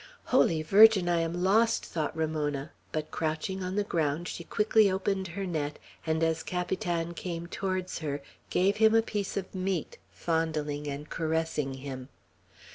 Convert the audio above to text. "Holy Virgin, I am lost!" thought Ramona; but, crouching on the ground, she quickly opened her net, and as Capitan came towards her, gave him a piece of meat, fondling and caressing him.